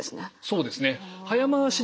そうですね。